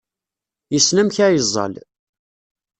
Yessen amek ad yeẓẓal.